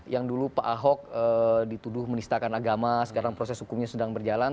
yang dulu pak ahok dituduh menistakan agama sekarang proses hukumnya sedang berjalan